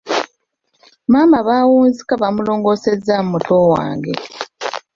Maama baawunzika bamulongoosezzaamu muto wange.